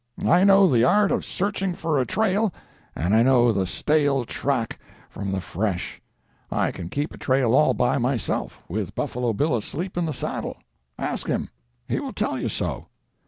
I know the art of searching for a trail, and I know the stale track from the fresh. I can keep a trail all by myself, with Buffalo Bill asleep in the saddle; ask him—he will tell you so.